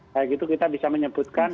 kayak gitu kita bisa menyebutkan